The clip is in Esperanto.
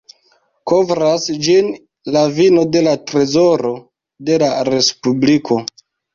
Kovras ĝin la vino de la trezoro de la respubliko.